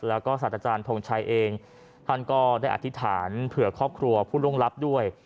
แล้วก็สัตว์อาจารย์ทงชัยเองท่านก็ได้อธิษฐานเผื่อครอบครัวผู้ล่วงลับด้วย